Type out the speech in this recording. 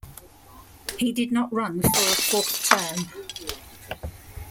He did not run for a fourth term.